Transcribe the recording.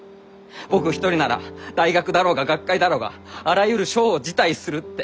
僕一人なら大学だろうが学会だろうがあらゆる賞を辞退するって。